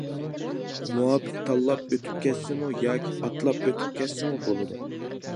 مۇۋاپىق تاللاپ ئۆتۈپ كەتسىمۇ ياكى ئاتلاپ ئۆتۈپ كەتسىمۇ بولىدۇ.